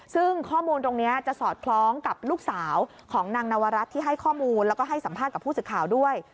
ซึ่งข้อมูลตรงนี้จะสอดคล้องกับลูกสาวของนางนวรัฐที่ให้ข้อมูลแล้วก็ให้สัมภาษณ์กับผู้สื่อข่าวด้วย